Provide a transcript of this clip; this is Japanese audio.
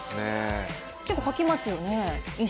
結構、書きますよね。